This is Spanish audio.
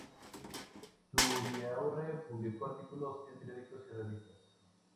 Zubiaurre publicó artículos en periódicos y revistas.